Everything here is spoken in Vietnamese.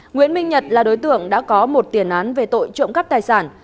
nguyễn minh nhật là đối tượng đã có một tiền án về tội trộm cắp tài sản